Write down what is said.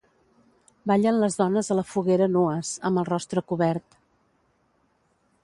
Ballen les dones a la foguera nues, amb el rostre cobert.